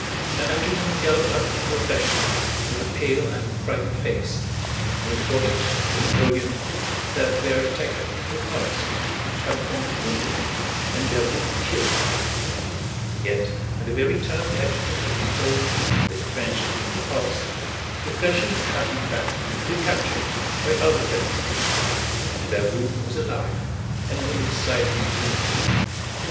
An adjutant galloped up from the flèches with a pale and frightened face and reported to Napoleon that their attack had been repulsed, Campan wounded, and Davout killed; yet at the very time the adjutant had been told that the French had been repulsed, the flèches had in fact been recaptured by other French troops, and Davout was alive and only slightly bruised.